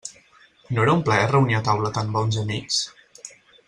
No era un plaer reunir a taula tan bons amics?